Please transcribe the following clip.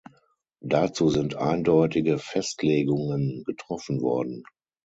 Dazu sind eindeutige Festlegungen getroffen worden.